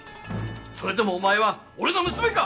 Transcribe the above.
それでもお前は俺の娘か！